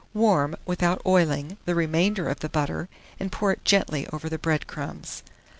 Warm, without oiling, the remainder of the butter, and pour it gently over the bread crumbs.